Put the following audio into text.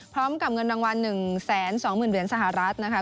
พร้อมกับเงินรางวัล๑๒๐๐๐เหรียญสหรัฐนะคะ